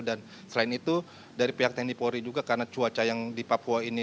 dan selain itu dari pihak tni polri juga karena cuaca yang di papua ini